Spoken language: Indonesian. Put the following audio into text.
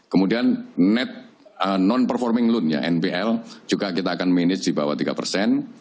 kemudian net non performing loan ya nbl juga kita akan manage di bawah tiga persen